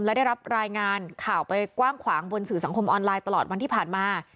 และได้รับรายงานข่าวไปกว้างขวางบนสื่อสังคมออนไลน์ตลอดวันที่ผ่านมา